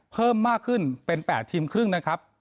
เพิ่มมากขึ้นเป็น๘ทีมครึ่งนะครับ